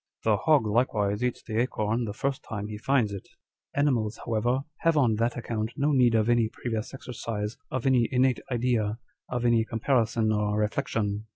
The hog likewise eats the acorn the first time he finds it. Animals however have, on that account, no need of any previous exercise, of any innate idea, of any comparison or reflection.